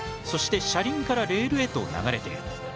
そして車輪からレールへと流れている。